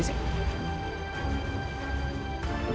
kenapa berhenti sih